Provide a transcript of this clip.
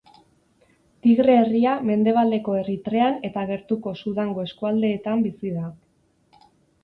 Tigre herria mendebaldeko Eritrean eta gertuko Sudango eskualdeetan bizi da.